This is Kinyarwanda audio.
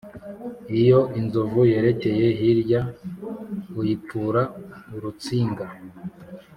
Iyo inzovu yerekeye hirya uyipfura urutsinga.